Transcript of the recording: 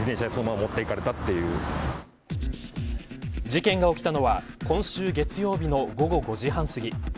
事件が起きたのは今週月曜日の午後５時半すぎ